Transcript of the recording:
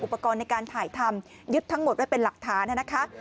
อุปกรณ์ในการถ่ายทำยึดทั้งหมดไว้เป็นหลักฐานนะคะ